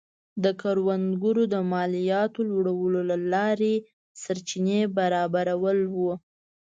د کروندګرو د مالیاتو لوړولو له لارې سرچینې برابرول و.